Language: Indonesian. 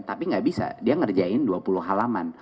tapi nggak bisa dia ngerjain dua puluh halaman